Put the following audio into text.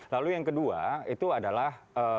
lalu yang kedua itu adalah